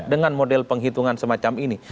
dengan model penghitungan semacam ini